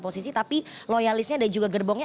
posisi tapi loyalisnya dan juga gerbongnya